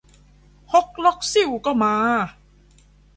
ฮกลกซิ่วก็มา !